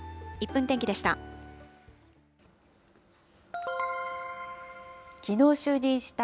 １分天気でした。